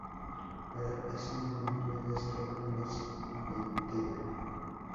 Para ese momento, ella estaba en la cincuentena.